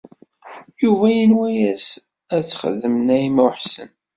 Yuba yenwa-yas ad t-texdem Naɛima u Ḥsen.